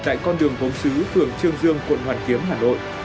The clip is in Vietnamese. tại con đường gốm xứ phường trương dương quận hoàn kiếm hà nội